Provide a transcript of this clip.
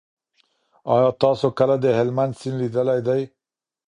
آیا تاسو کله د هلمند سیند لیدلی دی؟